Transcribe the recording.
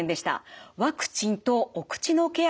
ワクチンとお口のケア